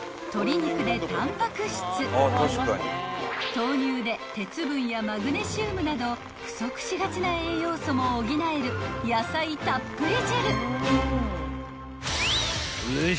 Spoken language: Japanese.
［豆乳で鉄分やマグネシウムなど不足しがちな栄養素も補える野菜たっぷり汁］